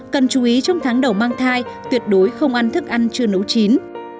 cần chú ý trong tháng đầu mang thai tuyệt đối không ăn thức ăn chưa nấu chín